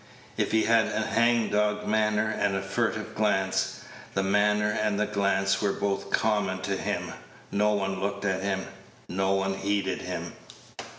If he had a hangdog manner and a furtive glance, the manner and the glance were both common to him. No one looked at him, no one heeded him.